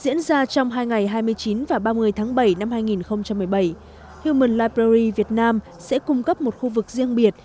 diễn ra trong hai ngày hai mươi chín và ba mươi tháng bảy năm hai nghìn một mươi bảy human liberry việt nam sẽ cung cấp một khu vực riêng biệt